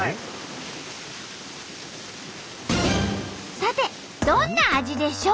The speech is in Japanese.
さてどんな味でしょう？